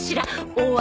大洗？